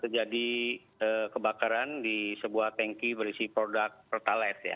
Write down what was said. terjadi kebakaran di sebuah tanki berisi produk pertalat ya